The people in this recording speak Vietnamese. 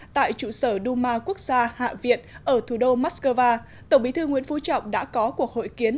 tại trụ sở duma quốc gia hạ viện ở thủ đô moscow tổng bí thư nguyễn phú trọng đã có cuộc hội kiến